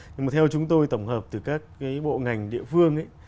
nhưng mà theo chúng tôi tổng hợp từ các cái bộ ngành địa phương ấy